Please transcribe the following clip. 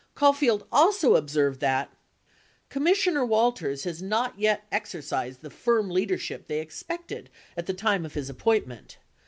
76 Caulfield also observed that : Commissioner Walters has not yet exercised the firm leadership they expected at the time of his appointment.